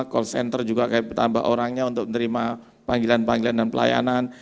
call center juga kami tambah orangnya untuk menerima panggilan panggilan dan pelayanan